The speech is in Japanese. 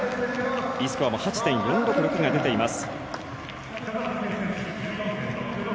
Ｄスコアも８．４６６が出ています。